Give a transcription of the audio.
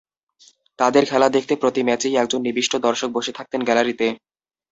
তাদের খেলা দেখতে প্রতি ম্যাচেই একজন নিবিষ্ট দর্শক বসে থাকতেন গ্যালারিতে।